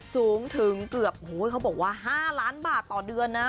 สูงถึงเกือบเขาบอกว่า๕ล้านบาทต่อเดือนนะ